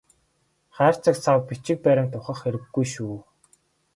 Хайрцаг сав бичиг баримт ухах хэрэггүй шүү.